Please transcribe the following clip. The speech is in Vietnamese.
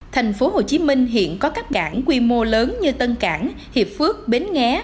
thành phố hồ chí minh hiện có các cảng quy mô lớn như tân cảng hiệp phước bến nghé